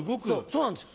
そうなんですよ